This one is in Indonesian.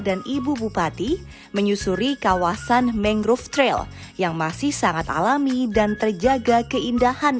dan ibu bupati menyusuri kawasan mengrove trail yang masih sangat alami dan terjaga keindahan